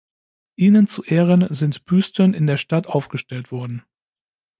Ihnen zu Ehren sind Büsten in der Stadt aufgestellt worden.